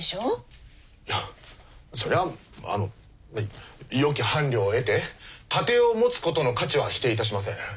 いやそりゃあのまよき伴侶を得て家庭を持つことの価値は否定いたしません。